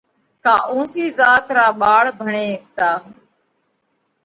ڪا اُونسِي ذات را ٻاۯ ڀڻي هيڪتا۔